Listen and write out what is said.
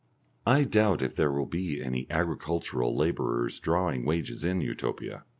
I doubt if there will be any agricultural labourers drawing wages in Utopia.